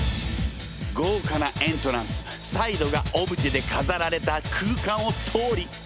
豪華なエントランスサイドがオブジェでかざられた空間を通り。